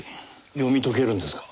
読み解けるんですか？